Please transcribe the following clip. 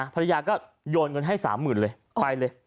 ภรรยาก็โยนเงินให้๓๐๐๐เลยไปเลย